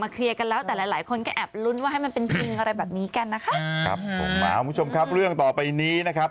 คุณผู้ชมครับเรื่องต่อไปนี้นะครับ